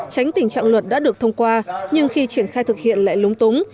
tránh tình trạng luật đã được thông qua nhưng khi triển khai thực hiện lại lúng túng